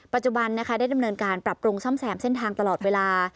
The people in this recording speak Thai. ปัจจุบันนะคะได้ดำเนินการปรับปรุงซ่อมแซมเส้นทางตลอดเวลา